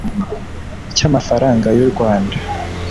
cy amafaranga y u Rwanda